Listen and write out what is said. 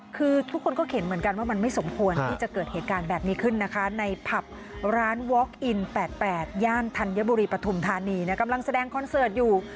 คือมีใครอยู่